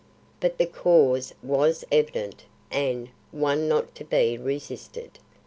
But the cause was evident and one not to be resisted.